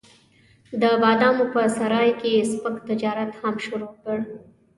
د بادامو په سرای کې یې سپک تجارت هم شروع کړ.